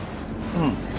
うん。